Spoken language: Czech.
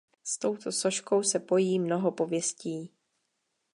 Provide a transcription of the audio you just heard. S touto soškou se pojí mnoho pověstí.